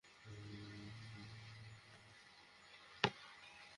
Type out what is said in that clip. দেশের বিভিন্ন জেলা থেকে পাইকারেরা এসে ট্রাক ভরে কিনে নিয়ে যাচ্ছেন কুল।